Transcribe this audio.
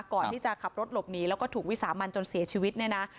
ก่อนที่จะขับรถหลบหนีแล้วก็ถูกวิสามันจนเสียชีวิตเนี่ยนะ